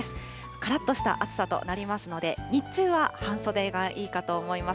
からっとした暑さとなりますので、日中は半袖がいいかと思います。